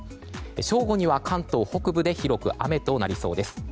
正午には関東北部で広く雨となりそうです。